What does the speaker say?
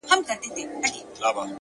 • تېره جنازه سوله اوس ورا ته مخامخ يمه ـ